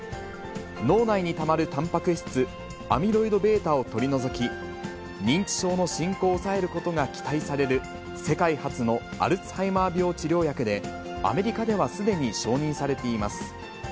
脳内にたまるたんぱく質、アミロイドβを取り除き、認知症の進行を抑えることが期待される世界初のアルツハイマー病治療薬で、アメリカではすでに承認されています。